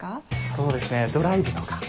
そうですねドライブとか。